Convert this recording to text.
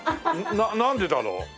なんでだろう？